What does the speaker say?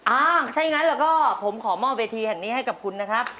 อ่าถ้าอย่างนั้นแล้วก็ผมขอมอบเวทีแห่งนี้ให้กับคุณนะครับ